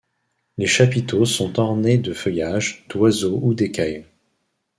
Les chapiteaux sont ornés de feuillages, d'oiseaux ou d'écailles.